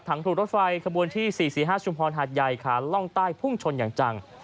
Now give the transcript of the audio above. ถูกรถไฟขบวนที่๔๔๕ชุมพรหาดใหญ่ขาล่องใต้พุ่งชนอย่างจัง